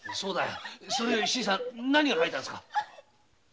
それより新さん何が書いてあるんですか？